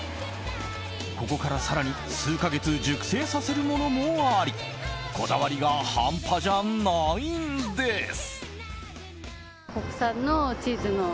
ここから更に数か月熟成させるものもありこだわりが半端じゃないんです。